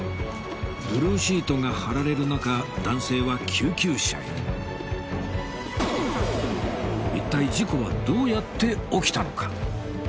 ブルーシートが張られる中男性は救急車へ一体事故はどうやって起きたのか？